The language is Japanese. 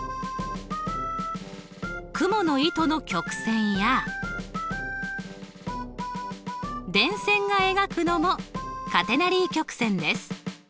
クモの糸の曲線や電線が描くのもカテナリー曲線です。